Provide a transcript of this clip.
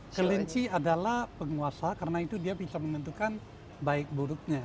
kelinci adalah penguasa karena itu dia bisa menentukan baik buruknya